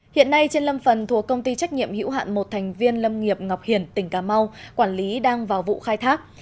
hiện nay trên lâm phần thuộc công ty trách nhiệm hữu hạn một thành viên lâm nghiệp ngọc hiền tỉnh cà mau quản lý đang vào vụ khai thác